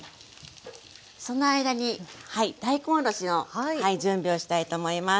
その間に大根おろしの準備をしたいと思います。